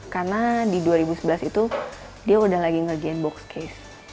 karena di dua ribu sebelas itu dia udah lagi ngerjain boxcase